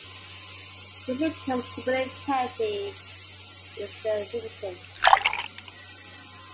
Gracie comes to believe Kathy is "The Citizen".